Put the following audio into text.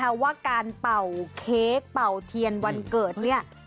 เพราะว่าการเป่าเค้กเป่าเทียนวันเกิดเนี่ย